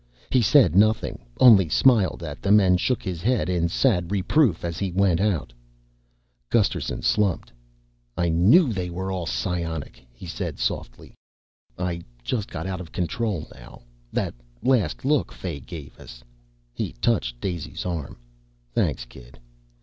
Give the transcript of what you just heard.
He said nothing, only smiled at them and shook his head in sad reproof as he went out. Gusterson slumped. "I knew they were all psionic," he said softly. "I just got out of control now that last look Fay gave us." He touched Daisy's arm. "Thanks, kid."